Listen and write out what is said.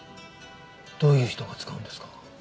どういう人が使うんですか？